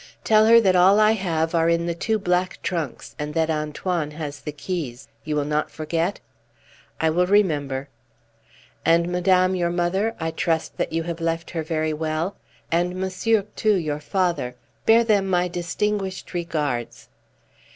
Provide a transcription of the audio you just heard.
Tell her that all I have are in the two black trunks, and that Antoine has the keys. You will not forget?" "I will remember." "And madame, your mother? I trust that you have left her very well. And monsieur, too, your father? Bear them my distinguished regards!"